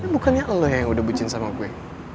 bukannya lo yang udah bucin sama gue